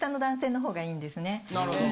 なるほど。